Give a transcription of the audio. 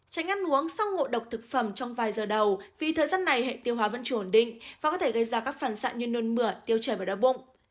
tránh ăn uống sau ngộ độc thực phẩm trong vài giờ đầu vì thời gian này hệ tiêu hóa vẫn chưa ổn định và có thể gây ra các phản xạ như nôn mửa tiêu chảy và đau bụng